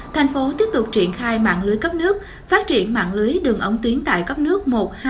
thành phố tiếp tục triển khai mạng lưới cấp nước phát triển mạng lưới đường ống tuyến tại cấp nước một hai